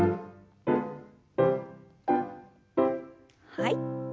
はい。